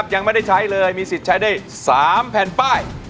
ยังไม่ได้ใช้เลยมีสิทธิ์ใช้ได้๓แผ่นป้าย